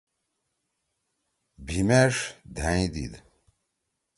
بھیِمیݜ دھأئں دیِد۔